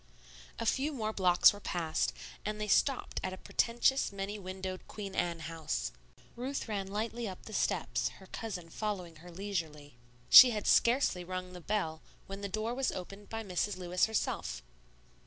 A few more blocks were passed, and they stopped at a pretentious, many windowed, Queen Anne house. Ruth ran lightly up the steps, her cousin following her leisurely. She had scarcely rung the bell when the door was opened by Mrs. Lewis herself.